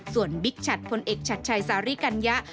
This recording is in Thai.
ส่วนบิ๊กชัดพลเอกชัดชัยสาริกัญญะ